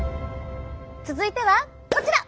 続いてはこちら！